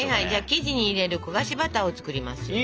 生地に入れる焦がしバターを作りますよ。